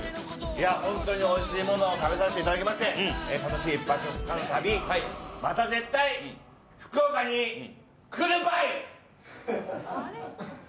いやほんとにおいしいものを食べさせていただきまして楽しい１泊２日の旅また絶対福岡に来るばい！